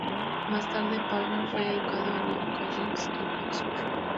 Más tarde, Palmer fue educado en el New College, en Oxford.